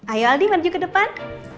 ayo aldi maju ke depan